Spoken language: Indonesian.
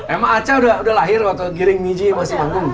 emang aca udah lahir waktu giring miji masih bangun